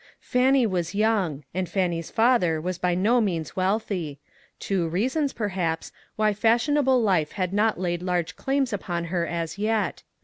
Fannie was young, and Fannie's father was by no means wealthy ; two reasons, perhaps, why fashionable life had not laid large claims upon her as yet.